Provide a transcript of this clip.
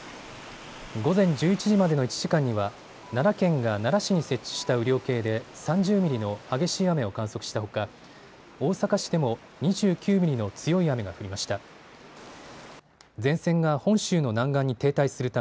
午前１１時までの１時間には奈良県が奈良市に設置した雨量計で３０ミリの激しい雨を観測したほか大阪市でも２９ミリの強い雨が降りました。